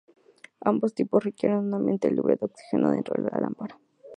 Ambos tipos requieren un ambiente libre de oxígeno dentro de la lámpara.